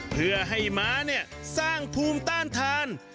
เพื่อให้ม้าสร้างภูมิต้านทาน